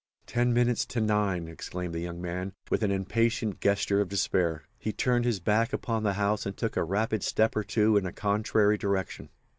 "Ten minutes to nine!" exclaimed the young man, with an impatient gesture of despair. He turned his back upon the house and took a rapid step or two in a contrary direction.